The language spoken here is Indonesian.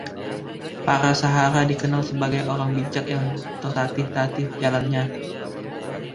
Parasahara dikenal sebagai “orang bijak yang tertatih-tatih jalannya.